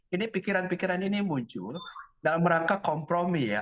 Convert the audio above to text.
ini pikiran pikiran ini muncul dalam rangka kompromi ya